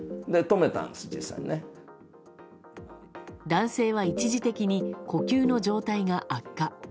男性は一時的に呼吸の状態が悪化。